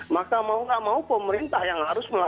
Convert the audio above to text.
maka mau nggak mau pemerintah yang harus melakukan